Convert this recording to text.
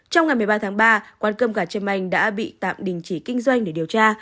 trong ngày một mươi ba tháng ba quán cơm gà trâm anh đã bị tạm đình chỉ kinh doanh để điều tra